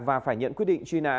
và phải nhận quyết định truy nã